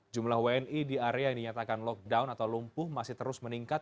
jumlah wni di area yang dinyatakan lockdown atau lumpuh masih terus meningkat